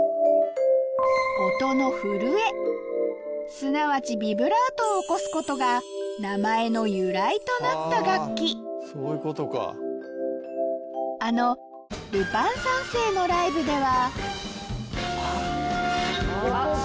すなわちヴィブラートを起こすことが名前の由来となった楽器あの『ルパン三世』のライブでは